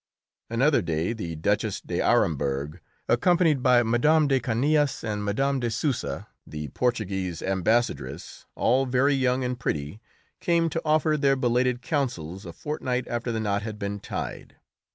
Another day the Duchess d'Aremberg, accompanied by Mme. de Canillas, and Mme. de Souza, the Portuguese Ambassadress, all very young and pretty, came to offer their belated counsels a fortnight after the knot had been tied.